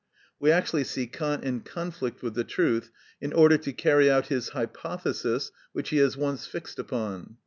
We actually see Kant in conflict with the truth in order to carry out his hypothesis which he has once fixed upon.